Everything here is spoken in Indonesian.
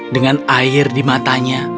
dengan air di matanya